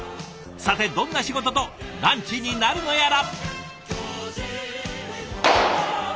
さてどんな仕事とランチになるのやら。